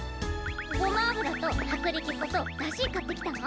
ごま油と薄力粉とだし買ってきたの？